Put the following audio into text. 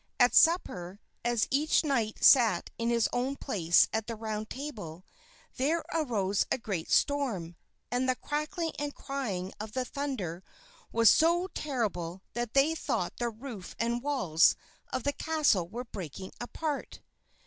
At supper, as each knight sat in his own place at the Round Table, there arose a great storm, and the cracking and crying of the thunder was so terrible that they thought the roof and walls of the castle were breaking apart.